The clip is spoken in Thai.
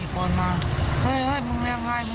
ตอนนั้นเขาไม่มีแล้วครับ